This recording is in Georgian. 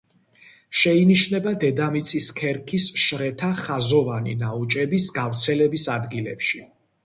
შეინიშნება დედამიწის ქერქის შრეთა ხაზოვანი ნაოჭების გავრცელების ადგილებში.